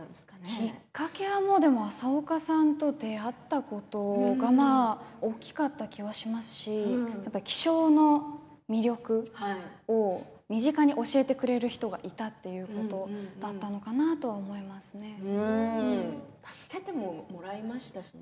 きっかけは朝岡さんと出会ったことが大きかった気がしますしやっぱり気象の魅力を身近に教えてくれる人がいたということだったのかな助けてももらいましたしね。